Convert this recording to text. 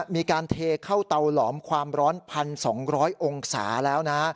มีการเทเข้าเตาหลอมความร้อน๑๒๐๐องศาแล้วนะ